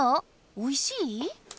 おいしい？